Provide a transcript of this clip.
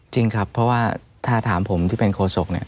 จริงครับเพราะว่าถ้าถามผมที่เป็นโคศกเนี่ย